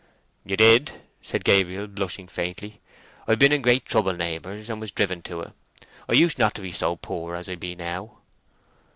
"You did," said Gabriel, blushing faintly. "I've been in great trouble, neighbours, and was driven to it. I used not to be so poor as I be now."